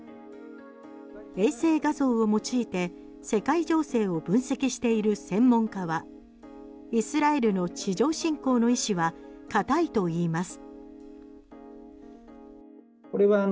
衛星画像を用いて世界情勢を分析している専門家はイスラエルの地上侵攻の意思は固いといいます。